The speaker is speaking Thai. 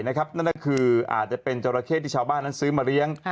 นั่นก็คืออาจจะเป็นจราเข้ที่ชาวบ้านนั้นซื้อมาเลี้ยง